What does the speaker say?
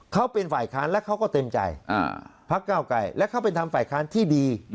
เขาเป็นฝ่ายค้านและเขาก็เต็มใจพักเก้าไกรและเขาเป็นทำฝ่ายค้านที่ดี